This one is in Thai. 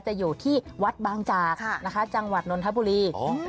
จะอยู่ที่วัดบางจากนะคะจังหวัดนนทบุรี